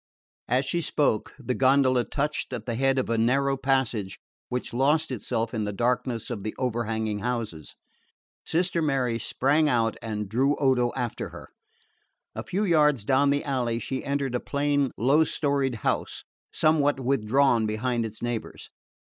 As she spoke the gondola touched at the head of a narrow passage which lost itself in the blackness of the overhanging houses. Sister Mary sprang out and drew Odo after her. A few yards down the alley she entered a plain low storied house somewhat withdrawn behind its neighbours.